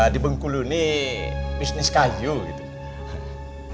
di bengkulu ini bisnis kayu gitu